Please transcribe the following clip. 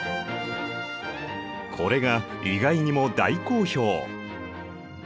これが意外にも大好評！